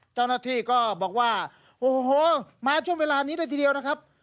เจ้าหน้าที่ก็บอกว่าโอ้โหมาช่วงเวลานี้เลยทีเดียวนะครับ